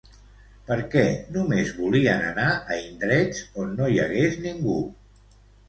Per què només volien anar a indrets on no hi hagués ningú?